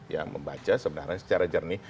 yang membaca sebenarnya secara jernih